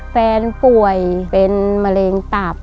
แฟนป่วยเป็นมะเร็งตับ